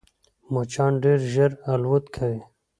مچان ډېر ژر الوت کوي